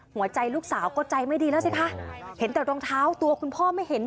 ลูกสาวก็ใจไม่ดีแล้วสิคะเห็นแต่รองเท้าตัวคุณพ่อไม่เห็น